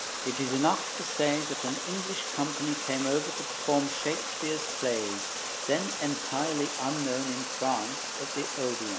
It is enough to say that an English company came over to perform Shakespeare's plays, then entirely unknown in France, at the Odéon.